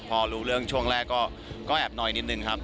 พอรู้เรื่องช่วงแรกก็แอบหน่อยนิดนึงครับ